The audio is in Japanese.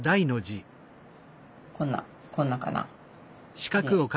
こんなこんなこんなかな。